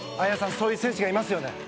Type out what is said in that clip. そういう選手がいますよね？